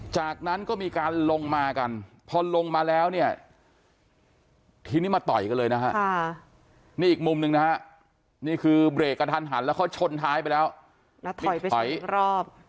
จากนั้นก็มีการลงมากันพอลงมาแล้วเนี่ยทีนี้มาต่อยกันเลยนะฮะนี่อีกมุมหนึ่งนะฮะนี่คือเบรกกระทันหันแล้วเขาชนท้ายไปแล้วแล้วถอยอีกรอบ